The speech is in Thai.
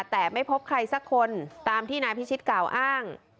แต่ไม่พบใครสักคนตามที่นายพิชิตกล่าวอ้าง